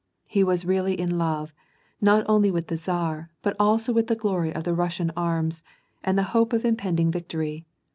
He was really in love, not only with the tsar, but also with the glory of the Russian arms, and the hope of im pending victory.